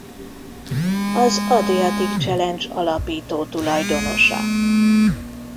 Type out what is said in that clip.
Az Adriatic Challenge alapító tulajdonosa.